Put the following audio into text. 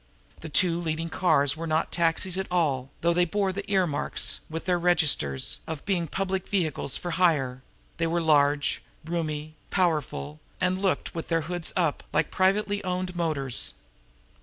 The two leading cars were not taxis at all, though they bore the ear marks, with their registers, of being public vehicles for hire; they were large, roomy, powerful, and looked, with their hoods up, like privately owned motors.